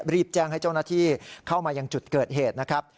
รีบแจ้งให้เจ้าหน้าที่เข้ามายังจุดเกิดเหตุนะครับ